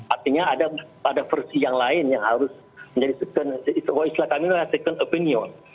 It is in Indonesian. artinya ada versi yang lain yang harus menjadi second opinion